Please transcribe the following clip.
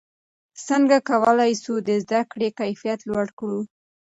څنګه کولای سو د زده کړې کیفیت لوړ کړو؟